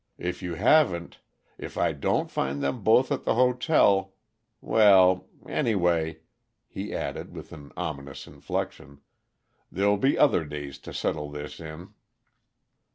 If you haven't if I don't find them both at the hotel well Anyway," he added, with an ominous inflection, "there'll be other days to settle this in!"